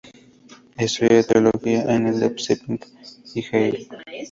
Estudia teología en Leipzig y Halle.